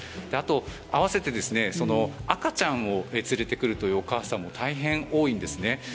あと、併せて赤ちゃんを連れてくるお母さんも大変多いんですね。